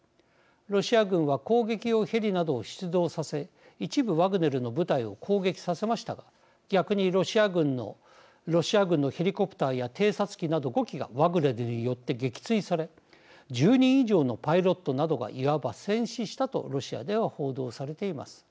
ロシア軍は攻撃用ヘリなどを出動させ一部、ワグネルの部隊を攻撃させましたが逆にロシア軍のヘリコプターや偵察機など５機がワグネルによって撃墜され１０人以上のパイロットなどがいわば戦死したとロシアでは報道されています。